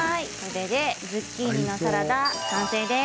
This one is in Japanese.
ズッキーニのサラダ完成です。